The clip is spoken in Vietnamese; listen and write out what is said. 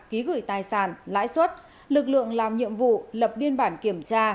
ký gửi tài sản lãi suất lực lượng làm nhiệm vụ lập biên bản kiểm tra